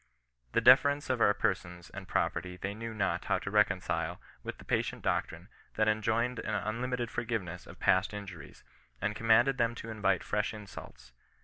" The defence of our persons and Sroperty they knew not how to reconcile with the patient octrine, that enjoined an unlimited fot^vi^i^^^^'&^^l'^^s^ 46 CHRISTIAN NON BESISTANCE. injuries, and commanded them to invite fresh insults.